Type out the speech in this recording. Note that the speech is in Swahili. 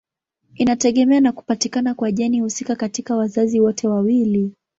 Inategemea na kupatikana kwa jeni husika katika wazazi wote wawili.